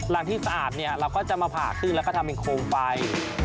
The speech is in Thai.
หลังที่สะอาดเนี่ยเราก็จะมาผ่าขึ้นแล้วก็ทำเป็นโคมไฟ